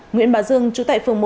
nguyễn bạ dương trú tại phường một